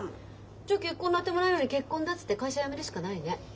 じゃあ結婚の当てもないのに結婚だっつって会社辞めるしかないね。